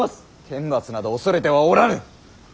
天罰など恐れてはおらぬ！